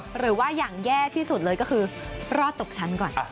หรือว่าอย่างแย่ที่สุดเลยก็คือรอดตกชั้นก่อน